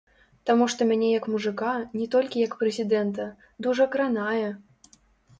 Таму што мяне як мужыка, не толькі як прэзідэнта, дужа кранае.